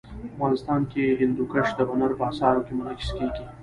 افغانستان کي هندوکش د هنر په اثارو کي منعکس کېږي.